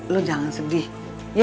lu jangan sembunyi